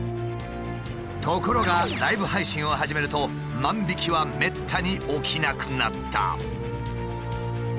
ところがライブ配信を始めると万引きはめったに起きなくなった。